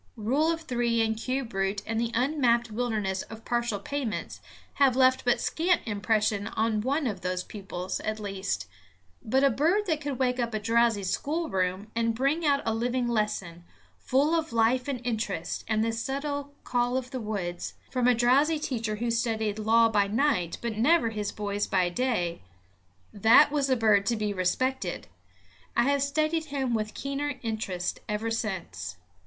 Rule of three and cube root and the unmapped wilderness of partial payments have left but scant impression on one of those pupils, at least; but a bird that could wake up a drowsy schoolroom and bring out a living lesson, full of life and interest and the subtile call of the woods, from a drowsy teacher who studied law by night, but never his boys by day, that was a bird to be respected. I have studied him with keener interest ever since.